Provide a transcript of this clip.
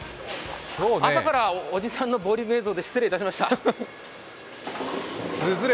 朝からおじさんのボーリング映像で失礼しました。